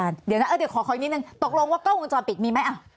เดี๋ยวนะเดี๋ยวขออีกนิดนึงตกลงว่ากล้องวงจรปิดมีไหม